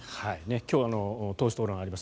今日、党首討論あります。